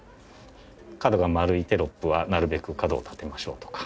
角が丸いテロップはなるべく角を立てましょうとか。